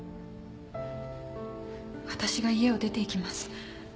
わたしが家を出ていきます。